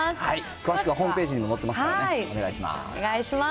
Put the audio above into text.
詳しくはホームページに載ってますからね、お願いします。